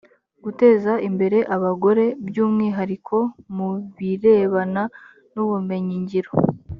guteza imbere abagore by’umwihariko mu birebana n’ubumenyi ngiro